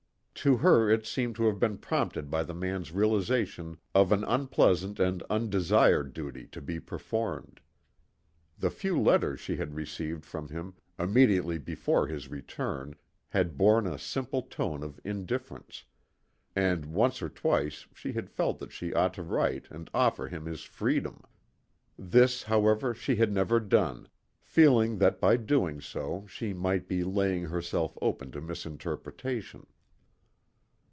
To her it seemed to have been prompted by the man's realization of an unpleasant and undesired duty to be performed. The few letters she had received from him immediately before his return had borne a similar tone of indifference, and once or twice she had felt that she ought to write and offer him his freedom. This, however, she had never done, feeling that by doing so she might be laying herself open to misinterpretation.